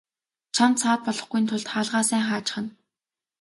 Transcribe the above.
Чамд саад болохгүйн тулд хаалгаа сайн хаачихна.